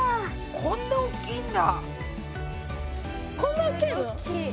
こんな大きいんだ。